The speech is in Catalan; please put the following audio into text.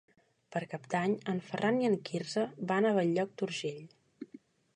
Per Cap d'Any en Ferran i en Quirze van a Bell-lloc d'Urgell.